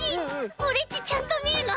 オレっちちゃんとみるのはじめてだ。